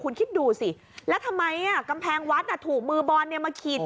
คุณคิดดูสิแล้วทำไมอ่ะกำแพงวัดอ่ะถูกมือบอลเนี่ยมาขีดเขียน